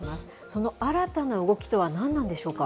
その新たな動きとは何なんでしょうか。